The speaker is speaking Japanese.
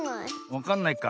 わかんないか。